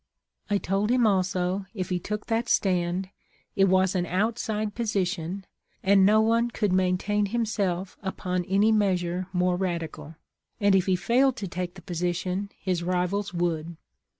I told him also, if he took that stand, it was an outside position, and no one could maintain himself upon any measure more radical, and if he failed to take the position, his rivals would.